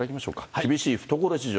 厳しい懐事情。